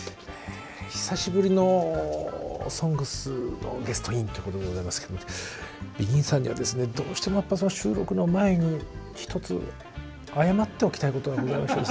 久しぶりの「ＳＯＮＧＳ」のゲストインということでございますけどもＢＥＧＩＮさんにはですねどうしても収録の前に一つ謝っておきたいことがございましてですね。